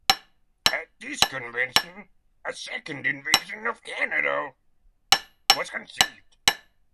At this convention a second invasion of Canada was conceived.